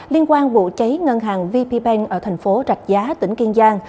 liên quan vụ cháy ngân hàng vp bank ở thành phố rạch giá tỉnh kiên giang